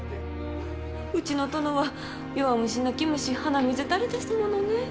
うちの殿は弱虫泣き虫鼻水垂れですものね。